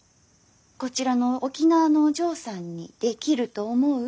こちらの沖縄のお嬢さんにできると思う？